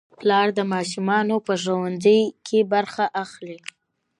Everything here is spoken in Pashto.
پلار د ماشومانو په ښوونځي کې برخه اخلي